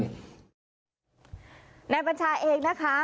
นายบัญชาเองนะคะ